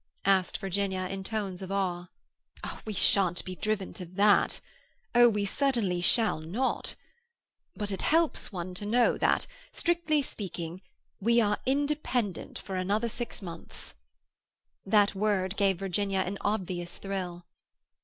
asked Virginia in tones of awe. "We shan't be driven to that. Oh, we certainly shall not. But it helps one to know that, strictly speaking, we are independent for another six months." That word gave Virginia an obvious thrill.